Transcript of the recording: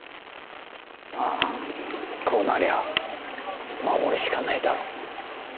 ああこうなりゃ守るしかないだろ。